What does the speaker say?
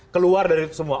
keluar dari semua